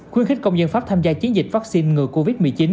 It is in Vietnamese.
khuyến khích công dân pháp tham gia chiến dịch vaccine ngừa covid một mươi chín